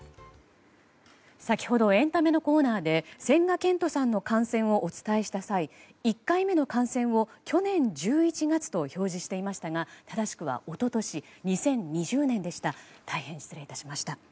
先ほどエンタメのコーナーで千賀健永さんの感染をお伝えした際１回目の感染を去年１１月と表示していましたが正しくは一昨年２０２０年でした。